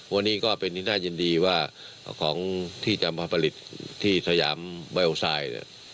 วันนี้ก็เป็นที่น่ายินดีว่าของที่จะมาผลิตที่สยามไบโอไซด์